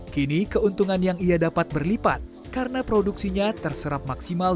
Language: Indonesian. kini keuntungan yang ia dapat berlipat karena produksinya terserap maksimal